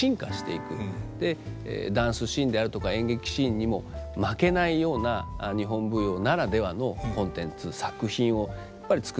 ダンスシーンであるとか演劇シーンにも負けないような日本舞踊ならではのコンテンツ作品をやっぱり作っていく。